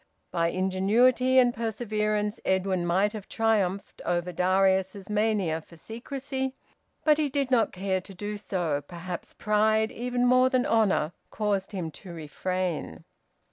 By ingenuity and perseverance Edwin might have triumphed over Darius's mania for secrecy; but he did not care to do so; perhaps pride even more than honour caused him to refrain.